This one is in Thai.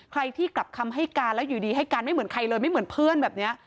ใครที่กลับคำให้การแล้วอยู่ดีให้การไม่เหมือนใครเลยไม่เหมือนเพื่อนแบบนี้